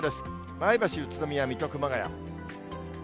前橋、宇都宮、水戸、熊谷。